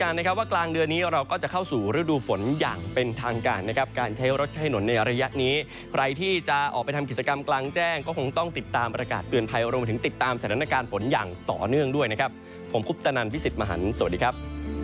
ในระยะนี้ใครที่จะออกไปทำกิจกรรมกลางแจ้งก็คงต้องติดตามอากาศเตือนภัยรวมถึงติดตามสถานการณ์ผลอย่างต่อเนื่องด้วยนะครับผมพุทธนันพิสิทธิ์มหันสวัสดีครับ